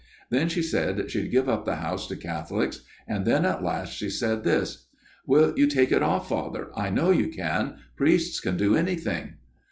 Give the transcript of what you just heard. Then she said she'd give up the house to Catholics, and then at last she said this :"< Will you take it oif, Father ? I know you can. Priests can do anything.'